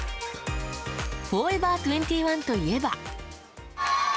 フォーエバー２１といえば。